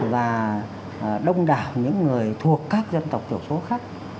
và đông đảo những người thuộc các dân tộc tiểu số khác